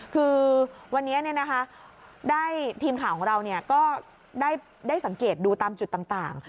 คือวันนี้ทีมข่าวของเราก็ได้สังเกตดูตามจุดต่าง